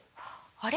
あれ？